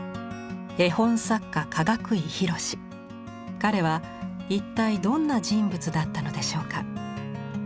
彼は一体どんな人物だったのでしょうか？